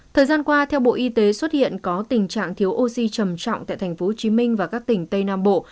thời gian qua theo bộ y tế xuất hiện có tình trạng thiếu oxy trầm trọng tại tp hcm và các tỉnh tây nam bộ